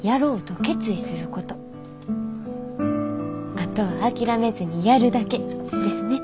あとは諦めずにやるだけ」ですね。